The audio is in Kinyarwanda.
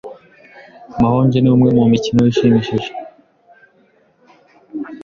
Mahjong ni umwe mu mikino ishimishije.